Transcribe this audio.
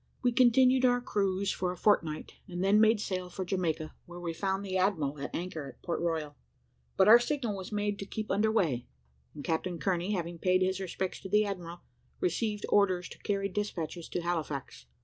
We continued our cruise for a fortnight, and then made sail for Jamaica, where we found the admiral at anchor at Port Royal: but our signal was made to keep under weigh, and Captain Kearney, having paid his respects to the admiral, received orders to carry despatches to Halifax.